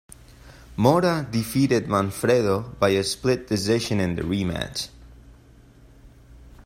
Mora defeated Manfredo by a split decision in the rematch.